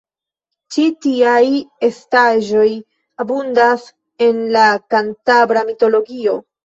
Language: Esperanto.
Ĉi tiaj estaĵoj abundas en la kantabra mitologio.